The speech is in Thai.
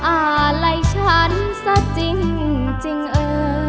อาลัยฉันซะจริงจริงเอ่อ